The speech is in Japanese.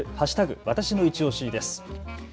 わたしのいちオシです。